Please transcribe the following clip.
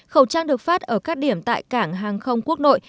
khẩu trang được phát ở các điểm tại cảng hàng không quốc nội